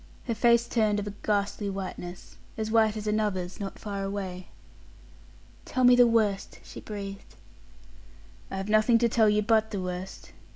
Her face turned of a ghastly whiteness as white as another's not far away. "Tell me the worst," she breathed. "I have nothing to tell you but the worst.